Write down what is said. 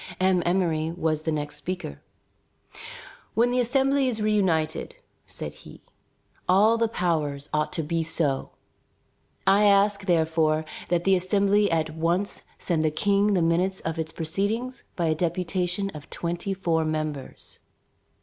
M. Emmery was the next speaker. "When the Assembly is reunited," said he, "all the powers ought to be so. I ask, therefore, that the Assembly at once send the King the minutes of its proceedings by a deputation of twenty four members."